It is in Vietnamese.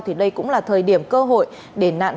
thì đây cũng là thời điểm cơ hội để nạn tín dụng